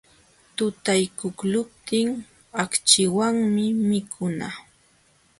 Tutaykuqluptin akchiwanmi mikuna.